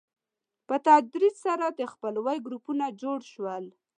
په تدریج سره د خپلوۍ ګروپونه جوړ شول.